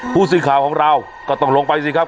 ผู้สื่อข่าวของเราก็ต้องลงไปสิครับ